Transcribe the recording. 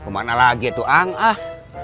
kemana lagi itu ang ah